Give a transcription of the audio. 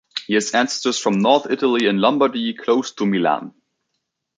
He has ancestors from North Italy in Lombardy, close to Milan.